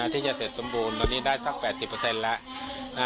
ที่จะเสร็จสมบูรณ์ตอนนี้ได้สัก๘๐แล้ว